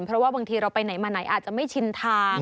เพราะว่าบางทีเราไปไหนมาไหนอาจจะไม่ชินทาง